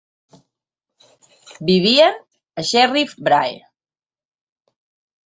Vivien a Sherrif Brae.